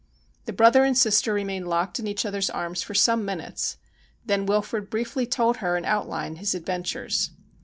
The brother and sister remained locked in each other's arms for some minutes. Then Wilfrid briefly told her in out line his adventures.